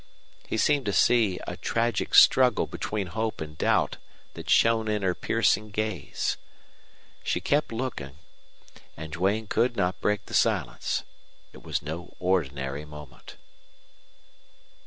He seemed to see a tragic struggle between hope and doubt that shone in her piercing gaze. She kept looking, and Duane could not break the silence. It was no ordinary moment.